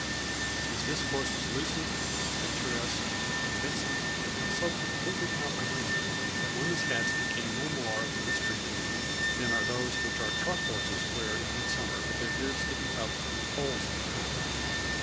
His discourse was lucid, picturesque, convincing, and so completely comprehensive that women's hats became no more of a mystery to me than are those which our truck horses wear in midsummer with their ears sticking up through holes in the crown.